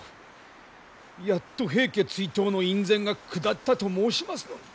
やっと平家追討の院宣が下ったと申しますのに。